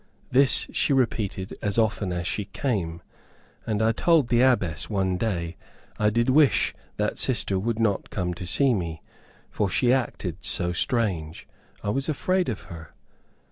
This she repeated as often as she came, and I told the Abbess one day, I did wish that sister would not come to see me, for she acted so strange, I was afraid of her.